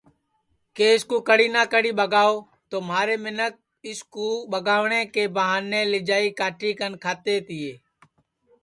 کہ اِس کُو کڑی نہ کڑی ٻگاؤ تو مہارے منکھ اُس کُو ٻگاوٹؔے کے بہانے لیجائی کاٹی کن کھاتے تیے